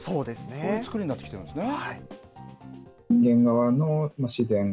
そういうつくりになってきてるんですね。